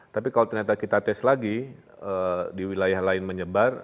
tapi kalau ternyata kita tes lagi di wilayah lain menyebar